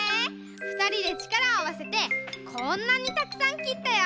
ふたりでちからをあわせてこんなにたくさんきったよ！